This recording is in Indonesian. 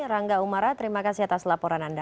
rangga umara terima kasih atas laporan anda